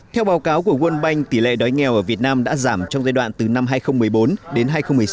theo báo cáo của world bank tỷ lệ đói nghèo ở việt nam đã giảm trong giai đoạn từ năm hai nghìn một mươi bốn đến hai nghìn một mươi sáu